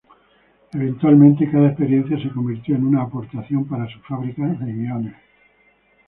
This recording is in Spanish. Eventualmente, cada experiencia se convirtió en una aportación para su fábrica de guiones.